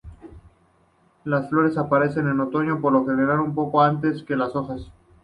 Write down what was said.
Las flores aparecen en otoño, por lo general un poco antes que las hojas.